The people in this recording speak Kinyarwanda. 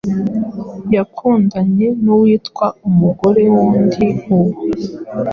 yakundanye nuwitwa umugore wundi ubu